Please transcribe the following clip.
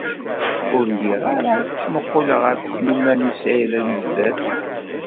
Ur lliɣ ara la ttmuqquleɣ ɣer Sliman u Saɛid Amezdat.